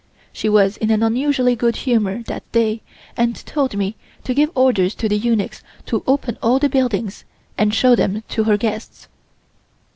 She was in an unusually good humor that day and told me to give orders to the eunuchs to open all the buildings and show them to her guests.